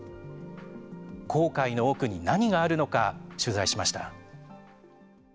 後悔の奥に何があるのか取材しました。